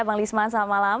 bang lisman selamat malam